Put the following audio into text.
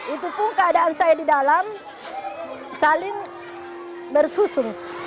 itu pun keadaan saya di dalam saling bersusun